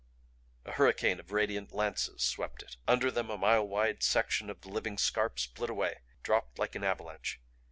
A hurricane of radiant lances swept it. Under them a mile wide section of the living scarp split away; dropped like an avalanche.